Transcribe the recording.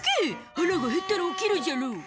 腹がへったら起きるじゃろ。